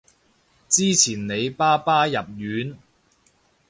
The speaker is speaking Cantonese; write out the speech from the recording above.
之前你爸爸入院